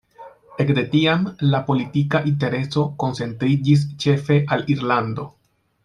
Ekde tiam lia politika intereso koncentriĝis ĉefe al Irlando.